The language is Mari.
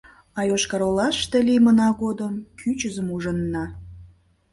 — А Йошкар-Олаште лиймына годым кӱчызым ужынна.